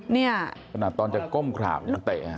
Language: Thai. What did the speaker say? นี่ค่ะตอนจะก้มกราบกับเตะ